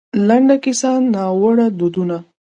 لـنـډه کيـسـه :نـاوړه دودونـه